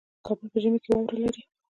کابل په ژمي کې واوره لري